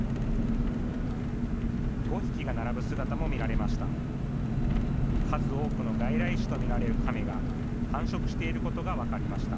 ５匹が並ぶ姿も見られました。